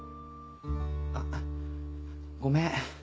あっごめん。